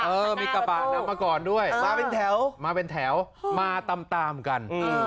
เออมีกระบากน้ำมาก่อนด้วยมาเป็นแถวมาตามตามกัน